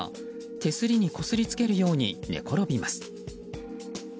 手すりにこすりつけるように寝ころびます。